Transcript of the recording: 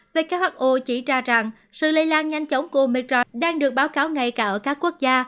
who chỉ ra rằng sự lây lan nhanh chóng của metro đang được báo cáo ngay cả ở các quốc gia